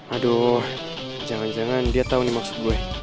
aduh jangan jangan dia tahu nih maksud gue